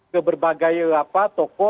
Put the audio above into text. ke berbagai toko